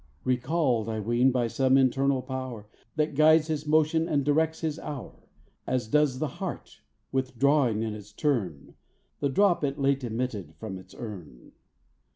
Recalled, I ween, by some internal power That guides his motion and directs his hour; As does the heart, withdrawing in its turn, The drop it late emitted from its urn.